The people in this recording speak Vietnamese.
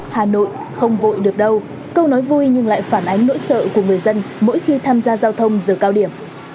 hà nội không vội được đâu câu nói vui nhưng lại phản ánh nỗi sợ của người dân mỗi khi tham gia giao thông giờ cao điểm